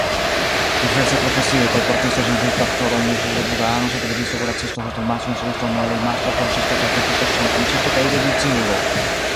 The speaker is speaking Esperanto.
Diversaj profesioj:kolportisto, ĵonglisto, aktoro, almuzulo, budaano, sortdivenisto, kuracisto, hotel-mastro, instruisto, muelej-mastro, forĝisto, ĉarpentisto, ŝtontranĉisto kaj erudiciulo.